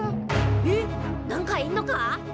えっ！？なんかいんのか！？